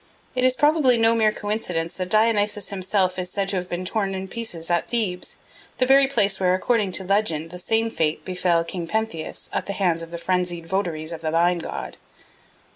It is probably no mere coincidence that Dionysus himself is said to have been torn in pieces at Thebes, the very place where according to legend the same fate befell king Pentheus at the hands of the frenzied votaries of the vine god.